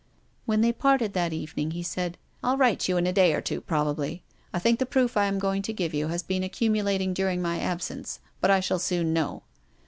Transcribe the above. When they parted that evening, he said, " I'll write to you in a day or two probably. I think the proof I am going to give you has been accumulating during my absence. But I shall .soon know."